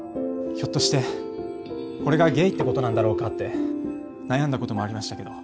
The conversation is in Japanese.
ひょっとしてこれがゲイってことなんだろうかって悩んだこともありましたけど。